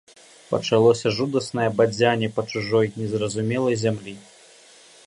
Пачалося жудаснае бадзянне па чужой, незразумелай зямлі.